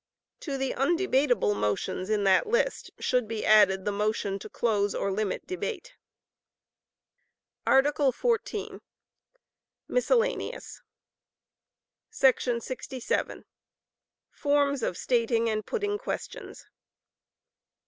To the undebatable motions in that list, should be added the motion to close or limit debate.] Art. XIV. Miscellaneous. 67. Forms of Stating and Putting Questions.